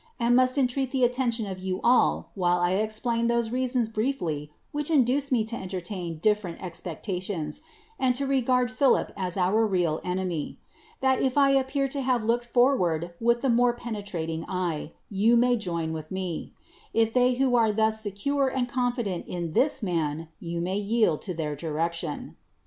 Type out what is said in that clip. and must entreat the attention of you all while I explain those reasons briefly which induce me to entertain different expectations, and to regard Philip as our real enemy; that if I appear to have looked forward with the more penetrating eye, you may join with me: if they who are thus secure and confident in this man, you may yield to their direction.